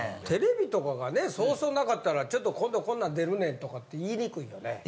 テレビとかがねそうそうなかったら「ちょっと今度こんなん出るねん」とかって言いにくいよね。